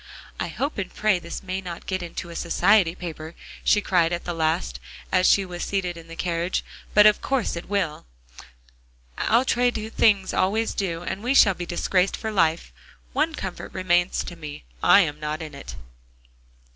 "I hope and pray this may not get into a society paper," she cried at the last, as she was seated in the carriage, "but of course it will; outre things always do. And we shall be disgraced for life. One comfort remains to me, I am not in it."